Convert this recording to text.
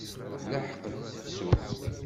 Telḥeq-d tefsut.